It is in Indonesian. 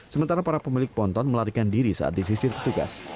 sementara para pemilik ponton melarikan diri saat disisir petugas